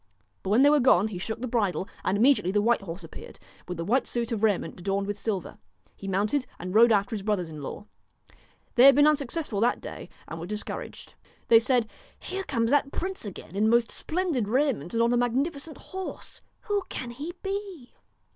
But when they were gone he shook the bridle, and immediately the white horse appeared, with the white suit of raiment adorned with silver. He mounted and rode after his brothers in law. They had been unsuccessful that day and were discouraged. They said :' Here comes that prince again in most splendid raiment and on a magnifi cent horse. Who can he be